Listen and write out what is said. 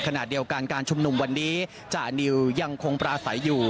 ขณะเดียวกันการชุมนุมวันนี้จานิวยังคงปราศัยอยู่